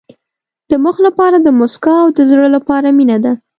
د مخ لپاره موسکا او د زړه لپاره مینه ده.